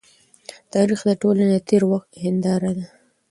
تاریخ د ټولني د تېر وخت هنداره ده.